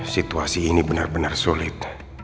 situasi ini benar benar sulit